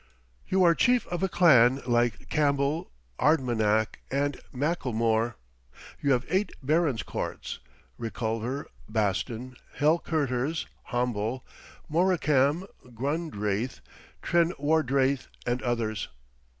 You are chief of a clan, like Campbell, Ardmannach, and Macallummore. You have eight barons' courts Reculver, Baston, Hell Kerters, Homble, Moricambe, Grundraith, Trenwardraith, and others.